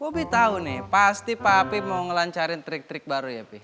bobi tau nih pasti papi mau ngelancarin trik trik baru ya pih